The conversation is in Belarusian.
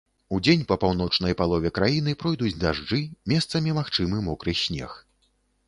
Удзень па паўночнай палове краіны пройдуць дажджы, месцамі магчымы мокры снег.